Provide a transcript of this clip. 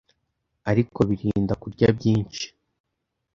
ariko birinda kurya byinshi